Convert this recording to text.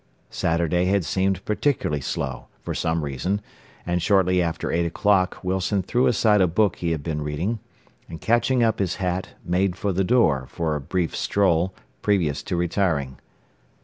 Saturday had seemed particularly slow, for some reason, and shortly after 8 o'clock Wilson threw aside a book he had been reading, and catching up his hat, made for the door, for a brief stroll, previous to retiring.